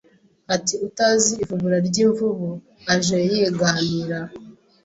ati Utazi ivubura ry'imvubu ajye ayiganira